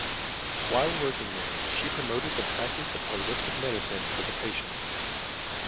While working there, she promoted the practice of holistic medicine for the patients.